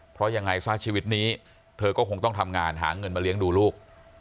เพราะยังไงซะชีวิตนี้เธอก็คงต้องทำงานหาเงินมาเลี้ยงดูลูก